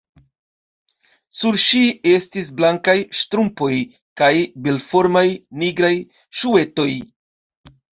Sur ŝi estis blankaj ŝtrumpoj kaj belformaj, nigraj ŝuetoj.